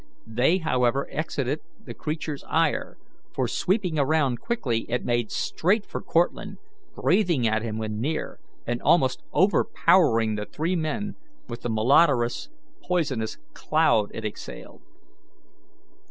They, however, excited the creature's ire; for, sweeping around quickly, it made straight for Cortlandt, breathing at him when near, and almost overpowering the three men with the malodorous, poisonous cloud it exhaled.